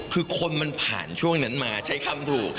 คือคนมันผ่านช่วงนั้นมาใช้คำถูก